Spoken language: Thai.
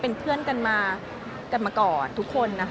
เป็นเพื่อนกันมาก่อนทุกคน